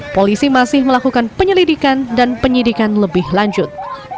polisi masih melakukan penyelidikan dan penyidikan lebih lanjut